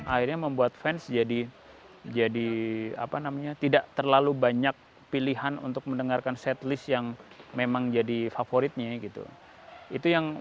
akhirnya membuat fans tidak terlalu banyak pilihan untuk mendengarkan setlist yang memang jadi favoritnya